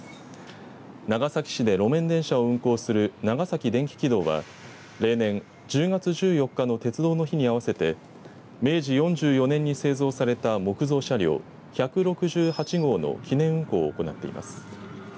長崎市で路面電車を運行する長崎電気軌道は例年１０月１４日の鉄道の日に合わせて明治４４年に製造された木造車両１６８号の記念運行を行っています。